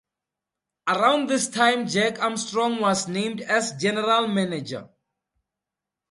Around this time Jack Armstrong was named as general manager.